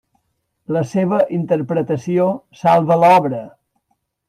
La seva interpretació salva l'obra.